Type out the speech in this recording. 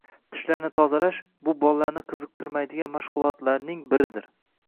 Tishlarni tozalash – bu bolalarni qiziqtirmaydigan mashg‘ulotlarning biridir.